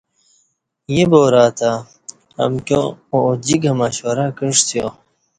ییں بارہ تہ امکیاں اوجِکہ مشورہ کعسِیا ۔